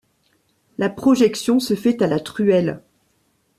La projection se fait à la truelle.